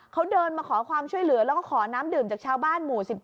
เขาเดินมาขอความช่วยเหลือแล้วก็ขอน้ำดื่มจากชาวบ้านหมู่๑๗